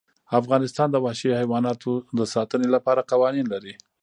افغانستان د وحشي حیواناتو د ساتنې لپاره قوانین لري.